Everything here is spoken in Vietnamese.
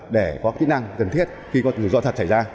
để có kỹ năng cần thiết khi có tự do thật xảy ra